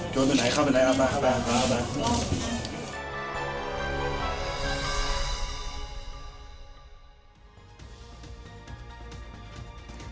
จนไปไหนเข้าไปไหนเอาไป